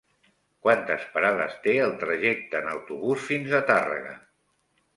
Quantes parades té el trajecte en autobús fins a Tàrrega?